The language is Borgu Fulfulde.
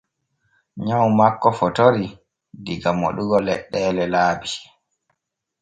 Nyaw makko fotorii diga moɗugo leɗɗeelee laabi.